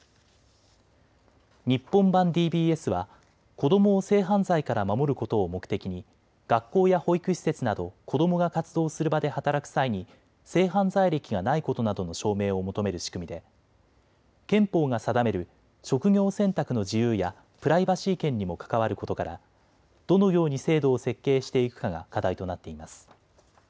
日本版ＤＢＳは子どもを性犯罪から守ることを目的に学校や保育施設など子どもが活動する場で働く際に性犯罪歴がないことなどの証明を求める仕組みで憲法が定める職業選択の自由やプライバシー権にも関わることからどのように制度を設計していくかが課題となっています。